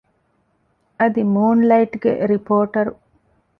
އަދި މޫންލައިޓްގެ ރިޕޯޓަރު